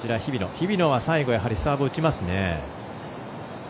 日比野は最後サーブを打ちますね。